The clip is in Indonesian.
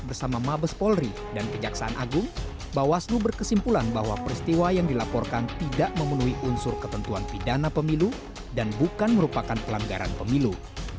bersama mabes polri dan kejaksaan agung bawaslu berkesimpulan bahwa peristiwa yang dilaporkan tidak memenuhi unsur ketentuan pidana pemilu dan bukan merupakan pelanggaran pemilu